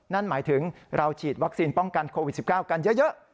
นั่นหมายถึงเราฉีดวัคซีนป้องกันโควิด๑๙กันเยอะ